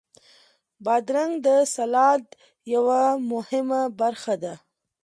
بادرنګ د سلاد یوه مهمه برخه ده.